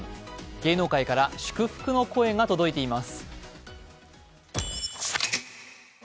芸能界から祝福の声が届いています。